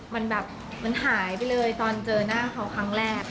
มันแบบมันหายไปเลยตอนเจอหน้าเขาครั้งแรก